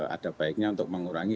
ada baiknya untuk mengurangi